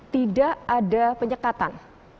tidak ada penyekatan